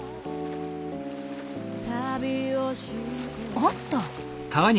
おっと。